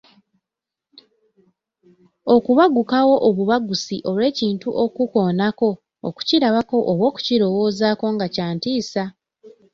Okubagukawo obubagusi olw’ekintu okukoonako, okukirabako oba okukirowoozaako nga kya ntiisa.